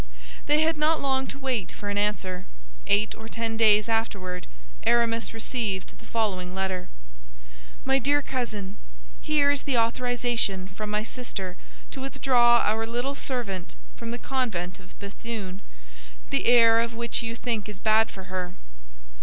They had not long to wait for an answer. Eight or ten days afterward Aramis received the following letter: "MY DEAR COUSIN, Here is the authorization from my sister to withdraw our little servant from the convent of Béthune, the air of which you think is bad for her.